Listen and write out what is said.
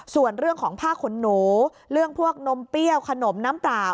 ส่วนเรื่องของผ้าขนหนูเรื่องพวกนมเปรี้ยวขนมน้ำเปล่า